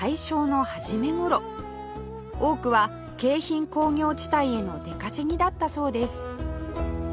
多くは京浜工業地帯への出稼ぎだったそうです